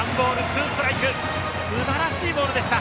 すばらしいボールでした。